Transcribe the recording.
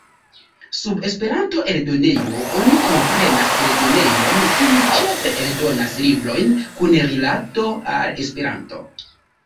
Sub "Esperanto-eldonejo" oni komprenas eldonejon, kiu ĉefe eldonas librojn kun rilato al Esperanto.